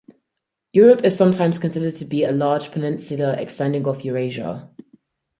Europe is sometimes considered to be a large peninsula extending off Eurasia.